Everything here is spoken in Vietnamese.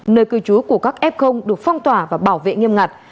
nơi cư trú của các f được phong tỏa và bảo vệ nghiêm ngặt